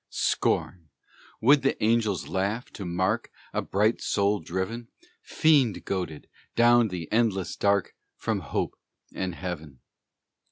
Scorn! would the angels laugh, to mark A bright soul driven, Fiend goaded, down the endless dark, From hope and heaven!